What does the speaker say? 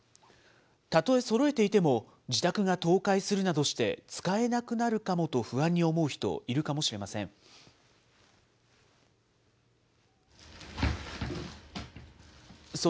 たとえそろえていても、自宅が倒壊するなどして、使えなくなるかもと不安に思う人、いるかもしれません。